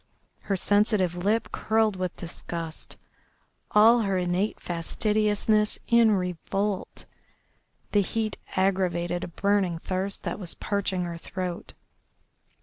Her sensitive lip curled with disgust, all her innate fastidiousness in revolt. The heat aggravated a burning thirst that was parching her throat.